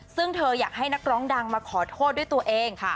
ซึ่งเธออยากให้นักร้องดังมาขอโทษด้วยตัวเองค่ะ